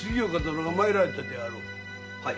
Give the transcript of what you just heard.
はい。